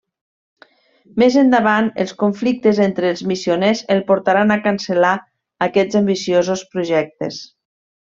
Més endavant els conflictes entre els missioners el portaran a cancel·lar aquests ambiciosos projectes.